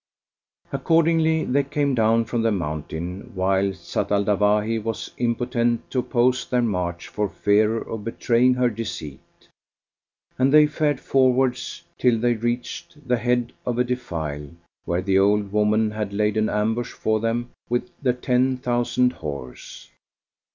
Accordingly they came down from the mountain, while Zat al Dawahi was impotent to oppose their march for fear of betraying her deceit; and they fared forwards till they reached the head of a defile, where the old woman had laid an ambush for them with the ten thousand horse.